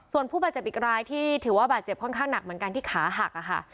ส่วนผู้บาดเจ็บอีกรายที่ถือว่าบาดเจ็บค่อนข้างหนักเหมือนกันที่ขาหักค่ะ